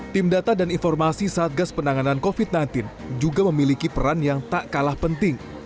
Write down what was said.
tim data dan informasi satgas penanganan covid sembilan belas juga memiliki peran yang tak kalah penting